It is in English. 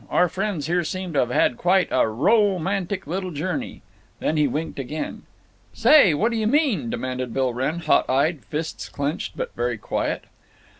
Our friends here seem to have had quite a ro mantic little journey." Then he winked again. "Say, what do you mean?" demanded Bill Wrenn, hot eyed, fists clenched, but very quiet.